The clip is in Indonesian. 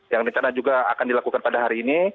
yang di sana juga akan dilakukan pada hari ini